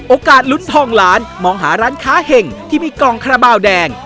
โอกาสลุ้นทองล้านมองหาร้านค้าเห็งที่มีกล่องคาราบาลแดง